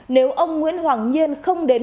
nếu ông nguyễn hoàng nhiên không đến